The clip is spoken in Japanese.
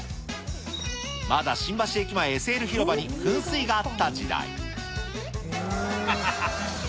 まだ新橋駅前ＳＬ広場に噴水があった時代。